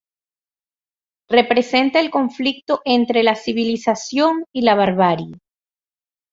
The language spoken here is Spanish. Representa el conflicto entre la civilización y la barbarie.